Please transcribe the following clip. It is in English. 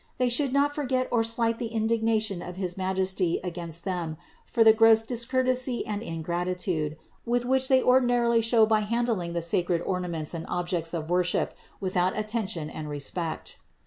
They should not forget or slight the indignation of his Majesty against them for the gross discourtesy and in gratitude, which they ordinarily show by handling the sacred ornaments and objects of worship without atten THE INCARNATION 371 tion and respect.